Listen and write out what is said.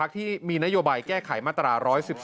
ที่มีนโยบายแก้ไขมาตรา๑๑๒